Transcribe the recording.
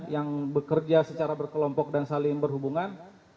yang bekerja secara berkelompok dan saling berhubungan